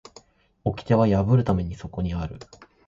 掟は破るためにそこにある